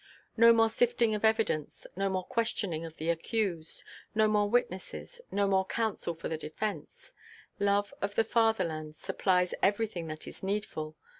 No more sifting of evidence, no more questioning of the accused, no more witnesses, no more counsel for the defence; love of the fatherland supplies everything that is needful.